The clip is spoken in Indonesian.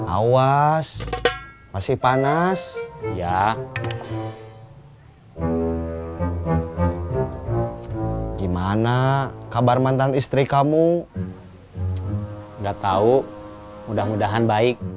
awas masih panas ya gimana kabar mantan istri kamu udah tahu mudah mudahan baik